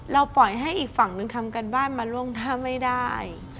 ปล่อยให้อีกฝั่งหนึ่งทำการบ้านมาล่วงท่าไม่ได้